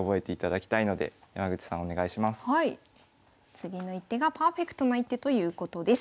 次の一手がパーフェクトな一手ということです。